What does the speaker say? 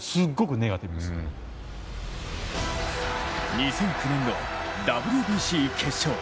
２００９年のＷＢＣ決勝。